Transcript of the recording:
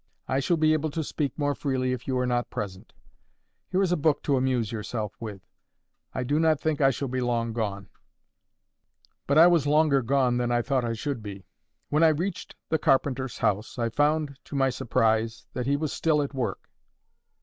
I shall be able to speak more freely if you are not present. Here is a book to amuse yourself with. I do not think I shall be long gone." But I was longer gone than I thought I should be. When I reached the carpenter's house, I found, to my surprise, that he was still at work.